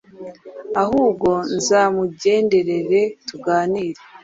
ahubwo nzamugenderere tuganire.”